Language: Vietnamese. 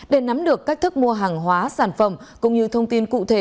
để nắm được cách thức mua hàng hóa sản phẩm cũng như thông tin cụ thể